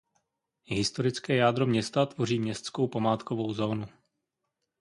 Historické jádro města tvoří městskou památkovou zónu.